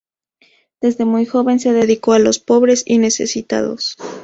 Desde muy joven se dedicó a los pobres y necesitados.